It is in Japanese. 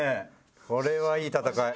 これはいい戦い。